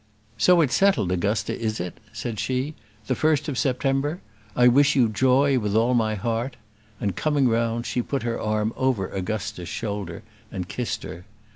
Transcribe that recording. "So it's settled, Augusta, is it?" said she; "the first of September. I wish you joy with all my heart," and, coming round, she put her arm over Augusta's shoulder and kissed her.